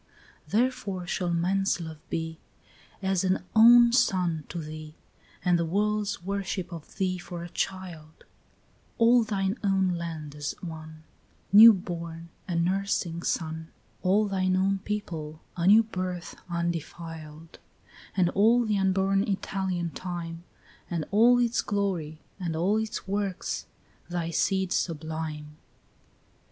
8 Therefore shall man's love be As an own son to thee, And the world's worship of thee for a child; All thine own land as one New born, a nursing son, All thine own people a new birth undefiled; And all the unborn Italian time, And all its glory, and all its works, thy seed sublime.